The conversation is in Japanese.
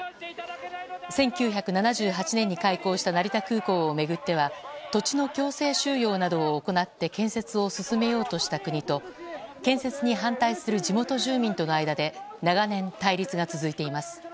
１９７８年に開港した成田空港を巡っては土地の強制収用などを行って建設を進めようとした国と建設に反対する地元住民との間で長年、対立が続いています。